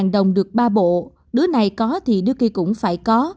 một trăm linh đồng được ba bộ đứa này có thì đứa kia cũng phải có